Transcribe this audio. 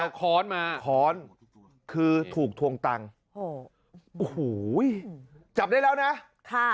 เอาค้อนมาค้อนคือถูกทวงตังค์โอ้โหจับได้แล้วนะค่ะ